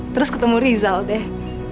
terus ketemu rizal deh